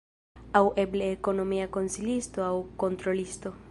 Aŭ eble ekonomia konsilisto aŭ kontrolisto.